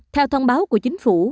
theo thông báo của chính phủ